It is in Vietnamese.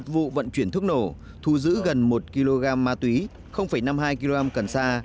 một vụ vận chuyển thuốc nổ thu giữ gần một kg ma túy năm mươi hai kg cần sa